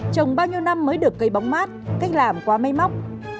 trồng bao nhiêu năm mới được cây bóng mát cách làm quá máy móc